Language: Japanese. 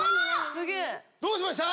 どうしました？